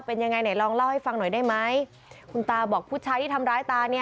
เป็นยังไงไหนลองเล่าให้ฟังหน่อยได้ไหมคุณตาบอกผู้ชายที่ทำร้ายตาเนี่ย